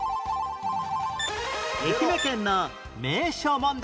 愛媛県の名所問題